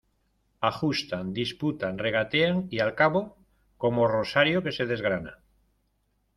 ajustan, disputan , regatean , y al cabo , como rosario que se desgrana